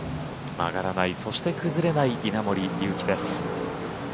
曲がらない、そして崩れない稲森佑貴です。